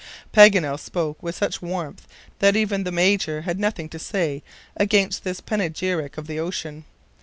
Paganel spoke with such warmth that even the Major had nothing to say against this panegyric of the ocean.